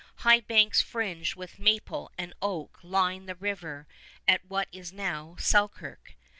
High banks fringed with maple and oak line the river at what is now Selkirk.